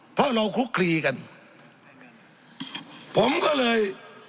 เพราะเราคุกคลีกันผมก็เลย